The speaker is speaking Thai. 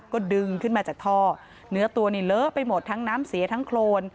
ก็ดึงขึ้นมาจากท่อเนื้อตัวนี่เลอะไปหมดทั้งน้ำเสียทั้งโครน